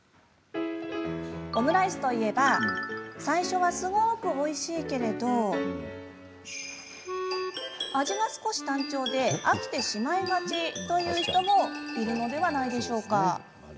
オムライスといえば最初はすごくおいしいけれど味が少し単調で飽きてしまいがちという人もいるのでは？